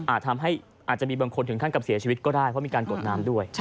ทำให้อาจจะมีบางคนถึงขั้นกับเสียชีวิตก็ได้เพราะมีการกดน้ำด้วย